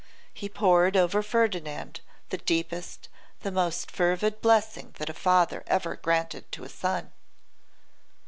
He poured over Ferdinand the deepest, the most fervid blessing that a father ever granted to a son.